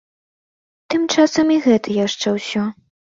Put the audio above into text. Тым часам і гэта яшчэ ўсё.